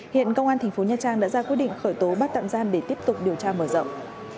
hiện công an thành phố nha trang đã ra quyết định khởi tố bắt tạm giam để tiếp tục điều tra mở rộng